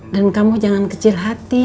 dan kamu jangan kecil hati